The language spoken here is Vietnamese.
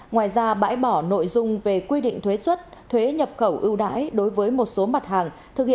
ngoài ra bãi bỏ nội dung về quy định thuế xuất thuế nhập khẩu ưu đãi đối với một số mặt hàng thực hiện